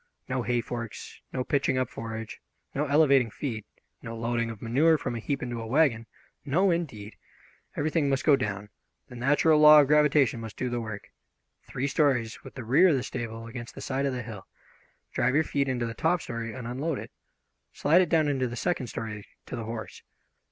No hay forks, no pitching up forage, no elevating feed, no loading of manure from a heap into a wagon. No, indeed! Everything must go down; the natural law of gravitation must do the work. Three stories, with the rear of the stable against the side of the hill. Drive your feed into the top story and unload it. Slide it down into the second story to the horse.